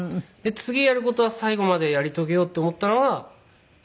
で次やる事は最後までやり遂げようって思ったのが。